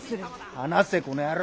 離せこの野郎！